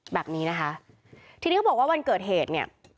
แบบนี้นะคะทีนี้เขาบอกว่าวันเกิดเหตุเนี่ย